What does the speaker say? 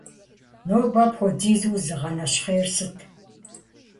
Нобэ апхуэдизу узыгъэнэщхъейр сыт?